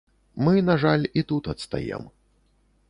Мы, на жаль, і тут адстаем.